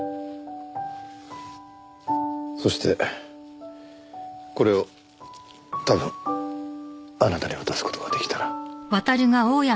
そしてこれを多分あなたに渡す事が出来たら。